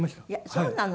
そうなの。